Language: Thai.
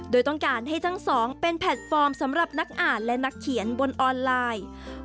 โดยต้องการให้ทั้งสองเป็นแพลตฟอร์มสำหรับนักอ่านและนักเขียนบนออนไลน์